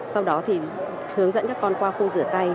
sau đó thì hướng dẫn các con qua khung rửa tay